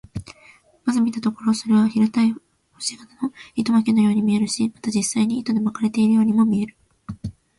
まず見たところ、それは平たい星形の糸巻のように見えるし、また実際に糸で巻かれているようにも見える。